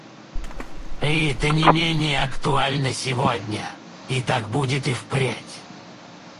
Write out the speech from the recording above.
Это не менее актуально сегодня, и так будет и впредь.